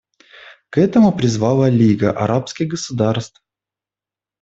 К этому призвала Лига арабских государств.